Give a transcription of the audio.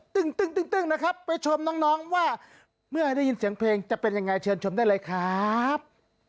นะครับไปชมน้องว่าเมื่อได้ยินเสียงเพลงจะเป็นยังไงเชิญชมได้เลยครับ